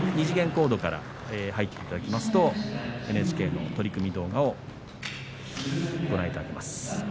２次元コードから入っていただきますとＮＨＫの取組動画をご覧いただけます。